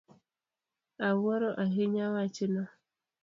Awuoro ahinya wachno.